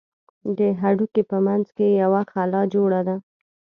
د هډوکي په منځ کښې يوه خلا جوړه ده.